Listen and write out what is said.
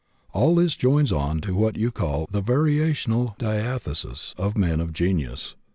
All this joins on to what you call the 'variational diathesis' of men of genius.